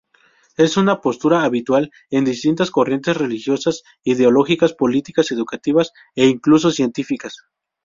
Es una postura habitual en distintas corrientes religiosas, ideológicas, políticas, educativas e incluso científicas.